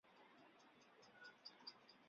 电磁辐射的频率与观察者的参考系有关。